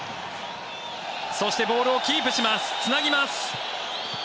そして、ボールをキープしますつなぎます。